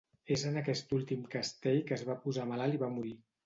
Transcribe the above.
És en aquest últim castell que es va posar malalt i va morir.